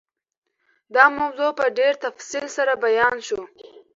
دا موضوع په ډېر تفصیل سره بیان شوه.